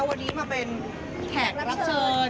วันนี้มาเป็นแขกรับเชิญ